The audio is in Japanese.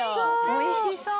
おいしそう！